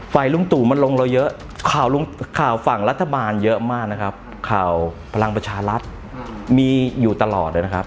ลุงตู่มันลงเราเยอะข่าวฝั่งรัฐบาลเยอะมากนะครับข่าวพลังประชารัฐมีอยู่ตลอดเลยนะครับ